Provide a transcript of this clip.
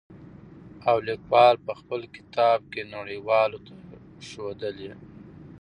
او ليکوال په خپل کتاب کې نړۍ والو ته ښودلي.